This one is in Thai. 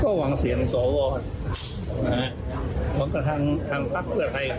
เพราะผมจะได้เสียงพอในครั้งนี้